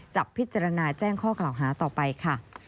จะพิจารณาแจ้งข้อกล่าวหาต่อไปค่ะ